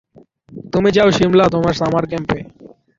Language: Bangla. তুমি যাও শিমলা তোমার সামার ক্যাম্পে।